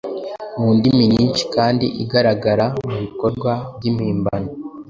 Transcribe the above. mu ndimi nyinshi kandi igaragara mubikorwa byimpimbano